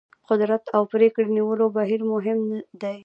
قدرت او پرېکړې نیولو بهیرونه مهم دي.